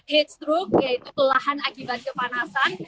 heat stroke yaitu kelelahan akibat kepanasan